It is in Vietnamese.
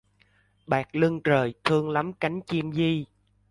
Bạt lưng trời thương lắm cánh chim di